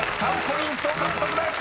３ポイント獲得です］